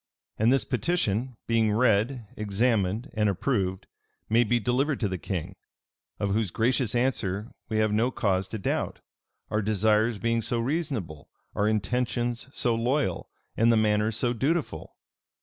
And this petition, being read, examined, and approved, may be delivered to the king; of whose gracious answer we have no cause to doubt, our desires being so reasonable, our intentions so loyal, and the manner so dutiful.